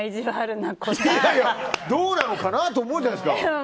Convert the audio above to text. どうなのかなと思うじゃないですか。